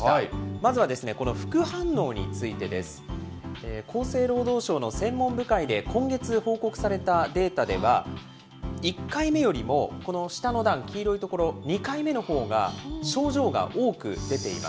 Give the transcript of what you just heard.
まずはこの副反応についてです。厚生労働省の専門部会で今月報告されたデータでは、１回目よりもこの下の段、黄色い所、２回目のほうが症状が多く出ています。